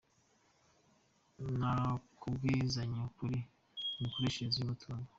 Nta kubwizanya ukuri ku mikoreshereze y’umutungo.